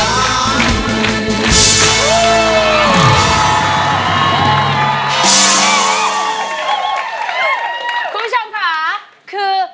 คุณผู้ชมค่ะคือ